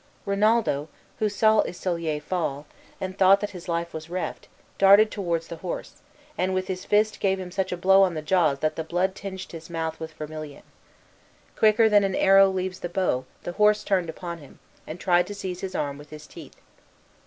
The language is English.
Rinaldo, who saw Isolier fall, and thought that his life was reft, darted towards the horse, and, with his fist gave him such a blow on the jaws that the blood tinged his mouth with vermilion. Quicker than an arrow leaves the bow the horse turned upon him, and tried to seize his arm with his teeth.